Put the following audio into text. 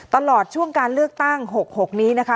ตลอดช่วงการเลือกตั้ง๖๖นี้นะคะ